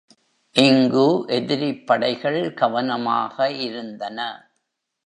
இங்கு எதிரிப்படைகள் கவனமாக இருந்தன.